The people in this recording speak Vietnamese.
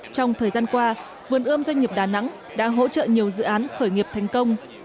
trong thời gian qua vườn ươm doanh nghiệp đà nẵng đã hỗ trợ nhiều dự án khởi nghiệp thành công